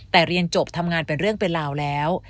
แต่เรียนจบทำงานเป็นเรื่องเป็นราวแล้ว